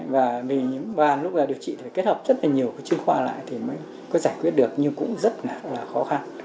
và lúc điều trị thì phải kết hợp rất là nhiều cái chương khoa lại thì mới có giải quyết được nhưng cũng rất là khó khăn